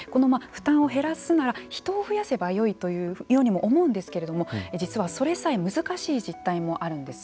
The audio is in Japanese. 負担を減らすなら人を増やせばよいというふうにも思うんですけれども実はそれさえ難しい実態もあるんです。